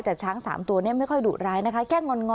แต่ช้าง๓ตัวเนี่ยไม่ค่อยดุร้ายนะคะ